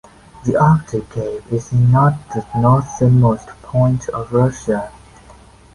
The Arctic Cape is not the northernmost point of Russia.